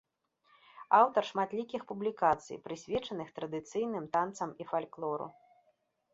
Аўтар шматлікіх публікацый, прысвечаных традыцыйным танцам і фальклору.